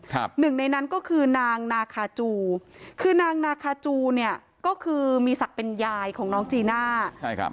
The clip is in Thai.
หนึ่งในนั้นก็คือนางนาคาจูคือนางนาคาจูเนี่ยก็คือมีศักดิ์เป็นยายของน้องจีน่าใช่ครับ